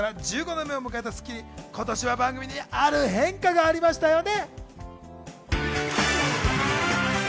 そしてスタートから１５年目を迎えた『スッキリ』、今年は番組にある変化がありましたよね。